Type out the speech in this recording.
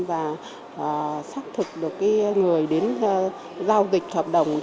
và xác thực được người đến giao dịch hợp đồng